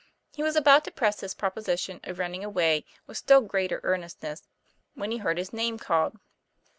He was about to press his proposition of running away with still greater earnestness, when he heard his name called.